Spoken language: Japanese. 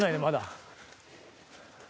まだ。